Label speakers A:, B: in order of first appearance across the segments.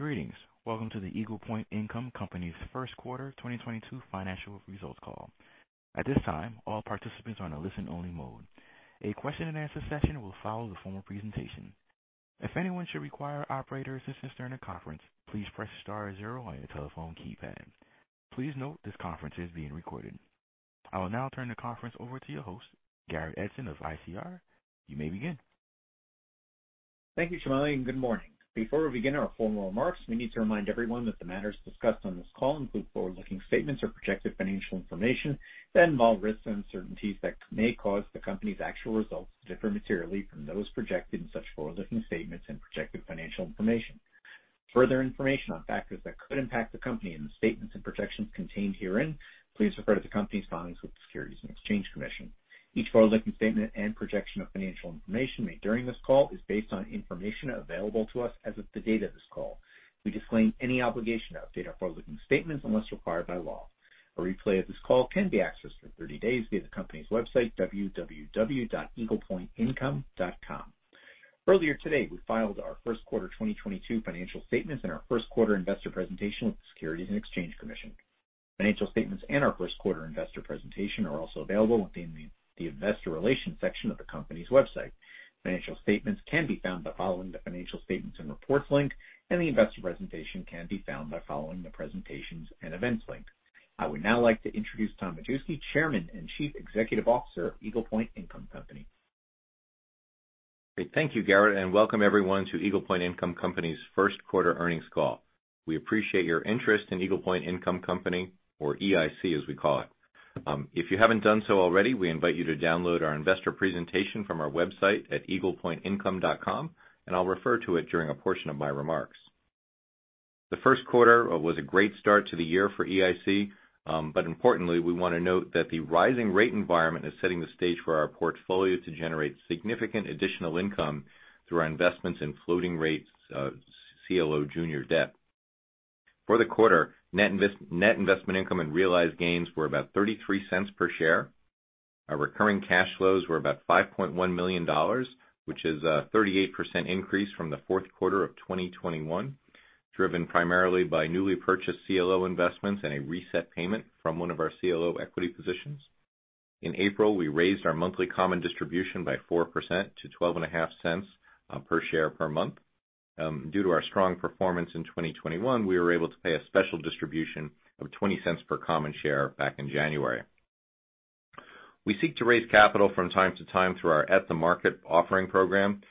A: Greetings. Welcome to the Eagle Point Income Company's first quarter 2022 financial results call. At this time, all participants are on a listen-only mode. A question-and-answer session will follow the formal presentation. If anyone should require operator assistance during the conference, please press star zero on your telephone keypad. Please note this conference is being recorded. I will now turn the conference over to your host, Garrett Edson of ICR. You may begin.
B: Thank you, Shamali, and good morning. Before we begin our formal remarks, we need to remind everyone that the matters discussed on this call include forward-looking statements or projected financial information that involve risks and uncertainties that may cause the company's actual results to differ materially from those projected in such forward-looking statements and projected financial information. For further information on factors that could impact the company and the statements and projections contained herein, please refer to the Company's filings with the Securities and Exchange Commission. Each forward-looking statement and projection of financial information made during this call is based on information available to us as of the date of this call. We disclaim any obligation to update our forward-looking statements unless required by law. A replay of this call can be accessed for 30 days via the company's website, www.eaglepointincome.com. Earlier today, we filed our first quarter 2022 financial statements and our first quarter investor presentation with the Securities and Exchange Commission. Financial statements and our first quarter investor presentation are also available within the investor relations section of the company's website. Financial statements can be found by following the Financial Statements & Reports link, and the investor presentation can be found by following the Presentations & Events link. I would now like to introduce Tom Majewski, Chairman and Chief Executive Officer of Eagle Point Income Company.
C: Great. Thank you, Garrett, and welcome everyone to Eagle Point Income Company's first quarter earnings call. We appreciate your interest in Eagle Point Income Company, or EIC as we call it. If you haven't done so already, we invite you to download our investor presentation from our website at eaglepointincome.com, and I'll refer to it during a portion of my remarks. The first quarter was a great start to the year for EIC, but importantly, we wanna note that the rising rate environment is setting the stage for our portfolio to generate significant additional income through our investments in floating rates CLO junior debt. For the quarter, net investment income and realized gains were about $0.33 per share. Our recurring cash flows were about $5.1 million, which is a 38% increase from the fourth quarter of 2021, driven primarily by newly purchased CLO investments and a reset payment from one of our CLO equity positions. In April, we raised our monthly common distribution by 4% to $0.125 per share per month. Due to our strong performance in 2021, we were able to pay a special distribution of $0.20 per common share back in January. We seek to raise capital from time to time through our at-the-market offering program.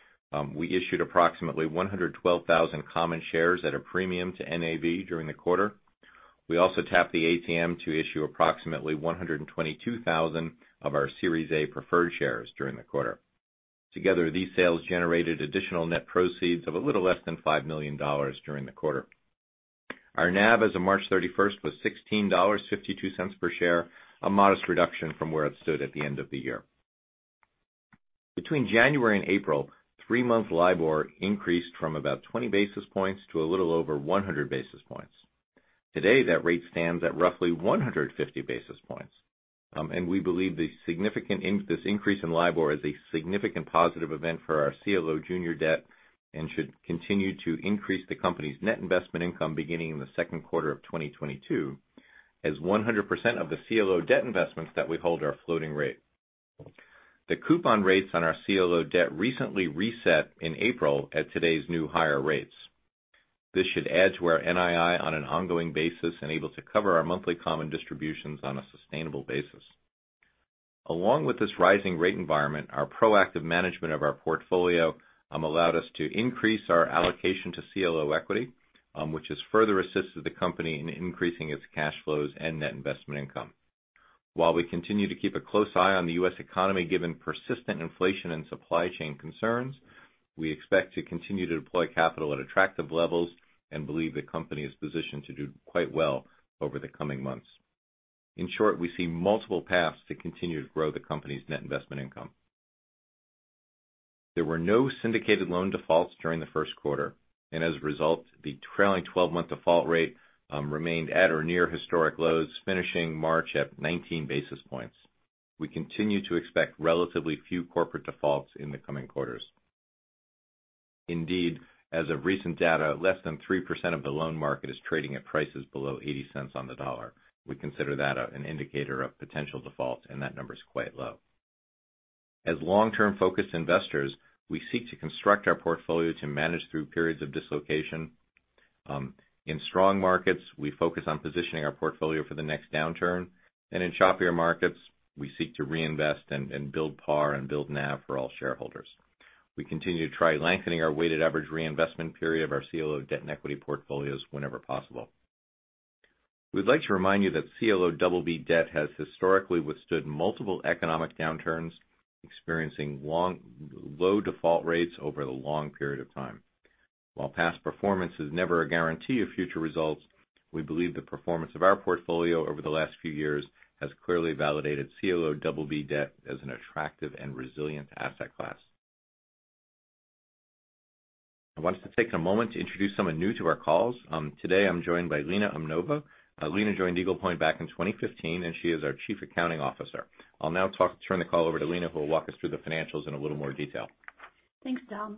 C: We issued approximately 112,000 common shares at a premium to NAV during the quarter. We also tapped the ATM to issue approximately 122,000 of our Series A preferred shares during the quarter. Together, these sales generated additional net proceeds of a little less than $5 million during the quarter. Our NAV as of March 31st was $16.52 per share, a modest reduction from where it stood at the end of the year. Between January and April, three-month LIBOR increased from about 20 basis points to a little over 100 basis points. Today, that rate stands at roughly 150 basis points. We believe this increase in LIBOR is a significant positive event for our CLO junior debt, and should continue to increase the company's net investment income beginning in the second quarter of 2022, as 100% of the CLO debt investments that we hold are floating rate. The coupon rates on our CLO debt recently reset in April at today's new higher rates. This should add to our NII on an ongoing basis and able to cover our monthly common distributions on a sustainable basis. Along with this rising rate environment, our proactive management of our portfolio allowed us to increase our allocation to CLO equity, which has further assisted the company in increasing its cash flows and net investment income. While we continue to keep a close eye on the U.S. economy, given persistent inflation and supply chain concerns, we expect to continue to deploy capital at attractive levels and believe the company is positioned to do quite well over the coming months. In short, we see multiple paths to continue to grow the company's net investment income. There were no syndicated loan defaults during the first quarter, and as a result, the trailing twelve-month default rate remained at or near historic lows, finishing March at 19 basis points. We continue to expect relatively few corporate defaults in the coming quarters. Indeed, as of recent data, less than 3% of the loan market is trading at prices below 80 cents on the dollar. We consider that an indicator of potential defaults, and that number is quite low. As long-term focused investors, we seek to construct our portfolio to manage through periods of dislocation. In strong markets, we focus on positioning our portfolio for the next downturn, and in choppier markets, we seek to reinvest and build par and build NAV for all shareholders. We continue to try lengthening our weighted average reinvestment period of our CLO debt and equity portfolios whenever possible. We'd like to remind you that CLO BB debt has historically withstood multiple economic downturns, experiencing low default rates over a long period of time. While past performance is never a guarantee of future results, we believe the performance of our portfolio over the last few years has clearly validated CLO BB debt as an attractive and resilient asset class. I wanted to take a moment to introduce someone new to our calls. Today I'm joined by Lena Umnova. Lena joined Eagle Point back in 2015, and she is our Chief Accounting Officer. I'll now turn the call over to Lena, who will walk us through the financials in a little more detail.
D: Thanks, Tom.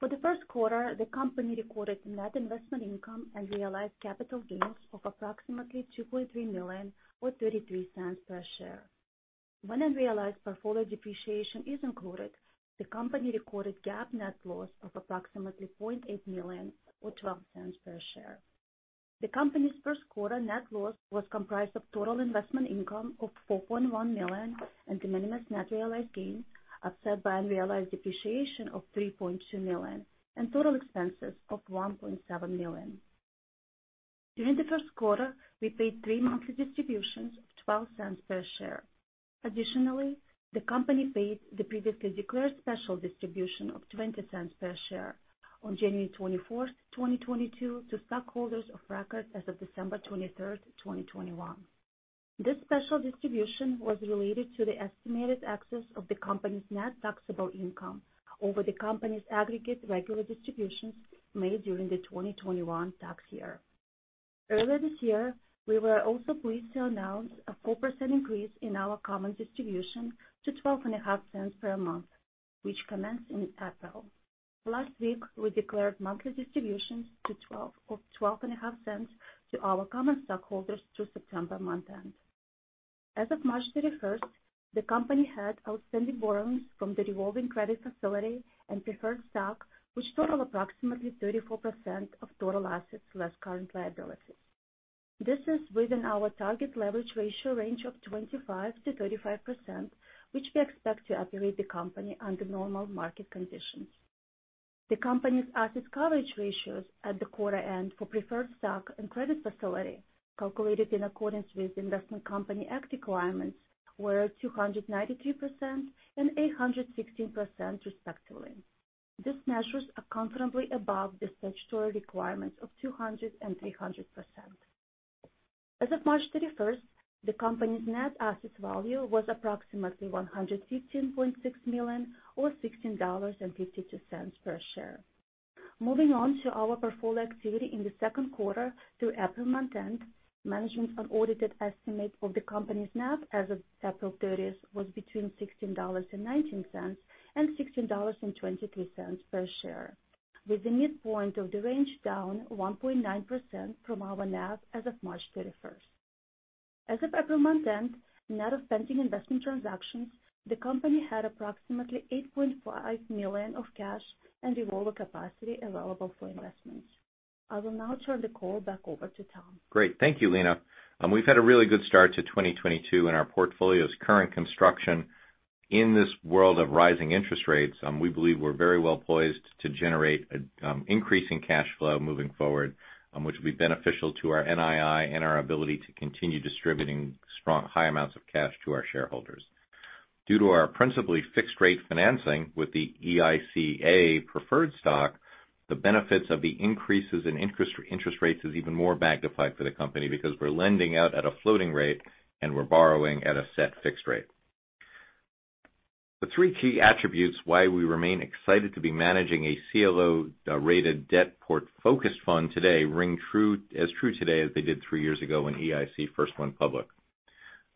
D: For the first quarter, the company recorded net investment income and realized capital gains of approximately $2.3 million or $0.33 per share. When unrealized portfolio depreciation is included, the company recorded GAAP net loss of approximately $0.8 million or $0.12 per share. The company's first quarter net loss was comprised of total investment income of $4.1 million and de minimis net realized gains, offset by unrealized depreciation of $3.2 million and total expenses of $1.7 million. During the first quarter, we paid three monthly distributions of $0.12 per share. Additionally, the company paid the previously declared special distribution of $0.20 per share on January 24, 2022 to stockholders of record as of December 23, 2021. This special distribution was related to the estimated excess of the company's net taxable income over the company's aggregate regular distributions made during the 2021 tax year. Earlier this year, we were also pleased to announce a 4% increase in our common distribution to $0.125 per month, which commenced in April. Last week, we declared monthly distributions to $0.125 to our common stockholders through September month-end. As of March 31, the company had outstanding borrowings from the revolving credit facility and preferred stock, which total approximately 34% of total assets, less current liabilities. This is within our target leverage ratio range of 25%-35%, which we expect to operate the company under normal market conditions. The company's asset coverage ratios at the quarter end for preferred stock and credit facility, calculated in accordance with Investment Company Act requirements, were 293% and 816%, respectively. These measures are comfortably above the statutory requirements of 200% and 300%. As of March 31, the company's net asset value was approximately $115.6 million or $16.52 per share. Moving on to our portfolio activity in the second quarter through April month-end. Management's unaudited estimate of the company's NAV as of April 30 was between $16.19 and $16.23 per share, with the midpoint of the range down 1.9% from our NAV as of March 31. As of April month-end, net of pending investment transactions, the company had approximately $8.5 million of cash and revolver capacity available for investments. I will now turn the call back over to Tom.
C: Great. Thank you, Lena. We've had a really good start to 2022 in our portfolio's current construction. In this world of rising interest rates, we believe we're very well poised to generate increasing cash flow moving forward, which will be beneficial to our NII and our ability to continue distributing strong high amounts of cash to our shareholders. Due to our principally fixed rate financing with the EICA preferred stock, the benefits of the increases in interest rates is even more magnified for the company because we're lending out at a floating rate and we're borrowing at a set fixed rate. The three key attributes why we remain excited to be managing a CLO rated debt portfolio focused fund today ring true as true today as they did three years ago when EIC first went public.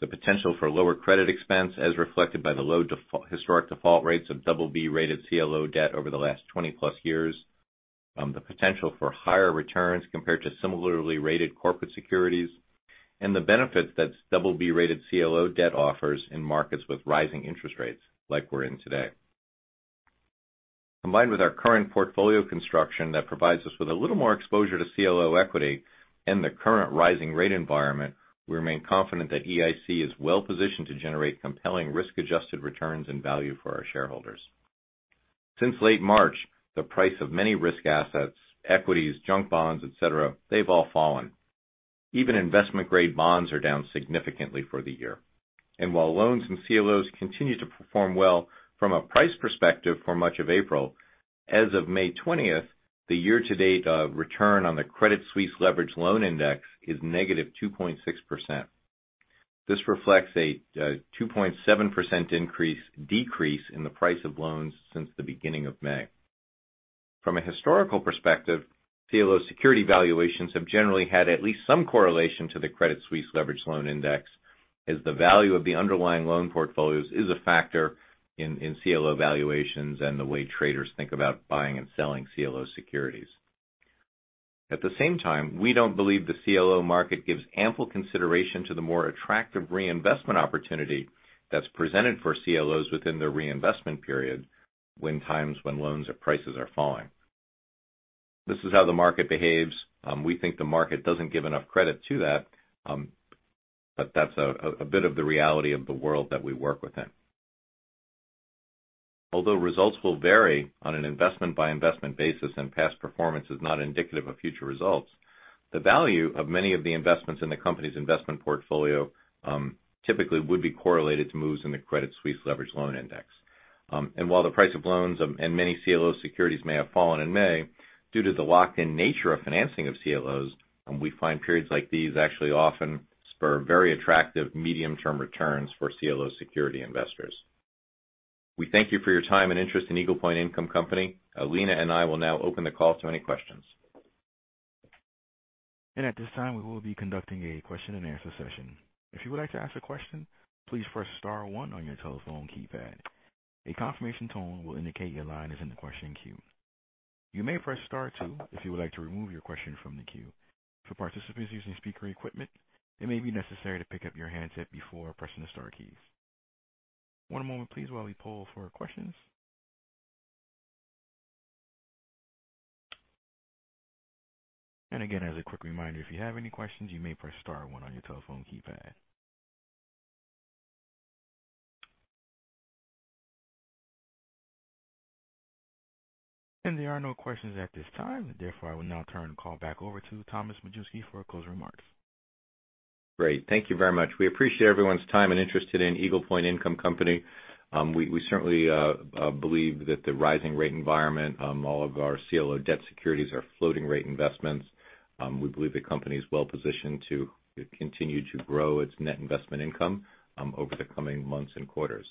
C: The potential for lower credit expense, as reflected by the low historic default rates of double B-rated CLO debt over the last 20+ years, the potential for higher returns compared to similarly rated corporate securities, and the benefits that double B-rated CLO debt offers in markets with rising interest rates like we're in today. Combined with our current portfolio construction that provides us with a little more exposure to CLO equity and the current rising rate environment, we remain confident that EIC is well positioned to generate compelling risk-adjusted returns and value for our shareholders. Since late March, the price of many risk assets, equities, junk bonds, et cetera, they've all fallen. Even investment-grade bonds are down significantly for the year. While loans and CLOs continue to perform well from a price perspective for much of April, as of May 20, the year-to-date return on the Credit Suisse Leveraged Loan Index is negative 2.6%. This reflects a 2.7% decrease in the price of loans since the beginning of May. From a historical perspective, CLO security valuations have generally had at least some correlation to the Credit Suisse Leveraged Loan Index, as the value of the underlying loan portfolios is a factor in CLO valuations and the way traders think about buying and selling CLO securities. At the same time, we don't believe the CLO market gives ample consideration to the more attractive reinvestment opportunity that's presented for CLOs within the reinvestment period when loans or prices are falling. This is how the market behaves. We think the market doesn't give enough credit to that, but that's a bit of the reality of the world that we work within. Although results will vary on an investment-by-investment basis, and past performance is not indicative of future results, the value of many of the investments in the company's investment portfolio typically would be correlated to moves in the Credit Suisse Leveraged Loan Index. While the price of loans and many CLO securities may have fallen in May, due to the locked-in nature of financing of CLOs, we find periods like these actually often spur very attractive medium-term returns for CLO security investors. We thank you for your time and interest in Eagle Point Income Company. Lena and I will now open the call to any questions.
A: At this time, we will be conducting a question-and-answer session. If you would like to ask a question, please press star one on your telephone keypad. A confirmation tone will indicate your line is in the question queue. You may press star two if you would like to remove your question from the queue. For participants using speaker equipment, it may be necessary to pick up your handset before pressing the star keys. One moment please while we poll for questions. Again, as a quick reminder, if you have any questions, you may press star one on your telephone keypad. There are no questions at this time. Therefore, I will now turn the call back over to Thomas Majewski for closing remarks.
C: Great. Thank you very much. We appreciate everyone's time and interest in Eagle Point Income Company. We certainly believe that the rising rate environment, all of our CLO debt securities are floating rate investments. We believe the company is well positioned to continue to grow its net investment income over the coming months and quarters.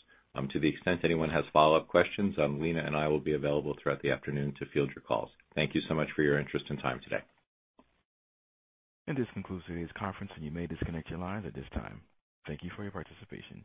C: To the extent anyone has follow-up questions, Lena and I will be available throughout the afternoon to field your calls. Thank you so much for your interest and time today.
A: This concludes today's conference, and you may disconnect your lines at this time. Thank you for your participation.